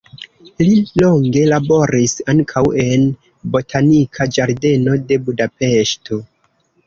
Li longe laboris ankaŭ en botanika ĝardeno de Budapeŝto.